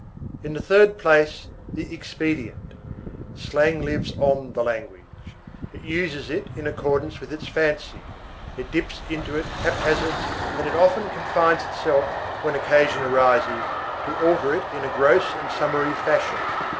In the third place, the expedient. Slang lives on the language. It uses it in accordance with its fancy, it dips into it hap hazard, and it often confines itself, when occasion arises, to alter it in a gross and summary fashion.